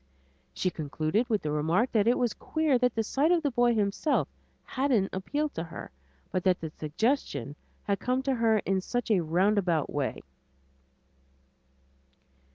She concluded with the remark that it was queer that the sight of the boy himself hadn't appealed to her, but that the suggestion had come to her in such a roundabout way.